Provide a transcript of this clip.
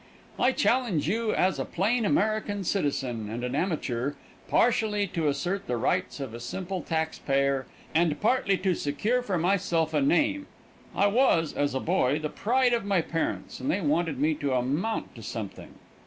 I challenge you as a plain American citizen and an amateur, partially to assert the rights of a simple tax payer and partly to secure for myself a name. I was, as a boy, the pride of my parents, and they wanted me to amount to something.